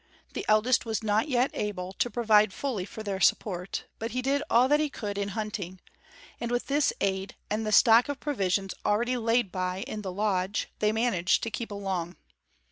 The eldest was not yet able to provide fully for their support, but he did all that he could in hunting; and with this aid, and the stock of provisions already laid by in the lodge, they managed to keep along.